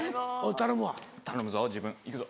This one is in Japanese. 頼むぞ自分行くぞ。